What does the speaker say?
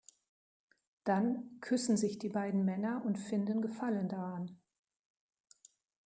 Dann küssen sich die beiden Männer und finden Gefallen daran.